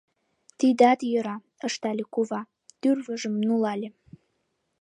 — Тидат йӧра, — ыштале кува, тӱрвыжым нулале.